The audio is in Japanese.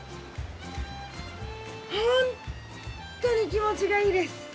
本当に気持ちがいいです。